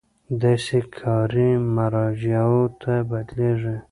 داسې کاري مراجعو بدلېږي.